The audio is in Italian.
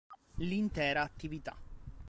L'intera attività.